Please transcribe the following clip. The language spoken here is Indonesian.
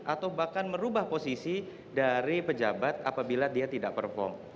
atau bahkan merubah posisi dari pejabat apabila dia tidak perform